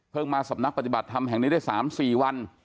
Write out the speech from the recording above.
มาสำนักปฏิบัติธรรมแห่งนี้ได้๓๔วัน